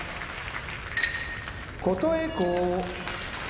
琴恵光